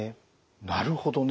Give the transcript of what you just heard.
なるほどね。